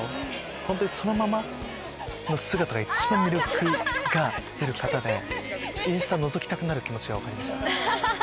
本当にそのままの姿が一番魅力が出る方でインスタのぞきたくなる気持ちが分かりました。